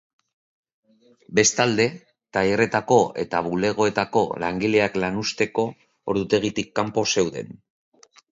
Bestalde, tailerretako eta bulegoetako langileak lanuzteko ordutegitik kanpo zueden.